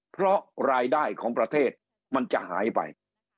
เพราะรายได้ของประเทศมันจะหายไป